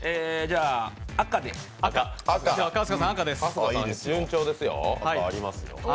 ありますよ。